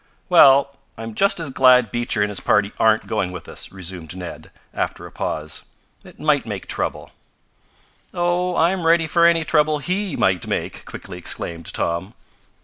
"Well, I'm just as glad Beecher and his party aren't going with us," resumed Ned, after a pause. "It might make trouble." "Oh, I'm ready for any trouble HE might make!" quickly exclaimed Tom.